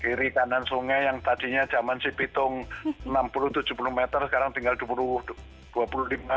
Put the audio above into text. kiri kanan sungai yang tadinya zaman sipitung enam puluh tujuh puluh meter sekarang tinggal dua puluh lima dua puluh meter gitu kan